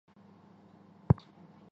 嘉熙是宋理宗赵昀的第四个年号。